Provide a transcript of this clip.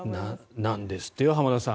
なんですって、浜田さん。